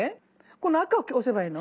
この赤を押せばいいの？